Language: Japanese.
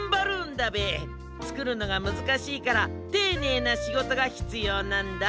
つくるのがむずかしいからていねいなしごとがひつようなんだ。